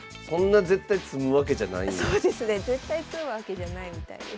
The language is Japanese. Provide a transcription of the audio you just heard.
絶対詰むわけじゃないみたいです。